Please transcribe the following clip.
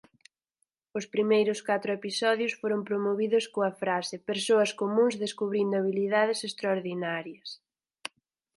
Os primeiros catro episodios foron promovidos coa frase "Persoas comúns descubrindo habilidades extraordinarias".